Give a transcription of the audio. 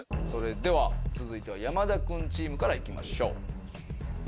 それでは山田君チームから行きましょう。